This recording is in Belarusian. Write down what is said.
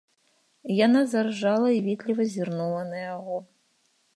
Яна заржала і ветліва зірнула на яго.